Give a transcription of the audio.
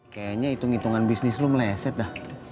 kayaknya itu ngitungan bisnis lu meleset dah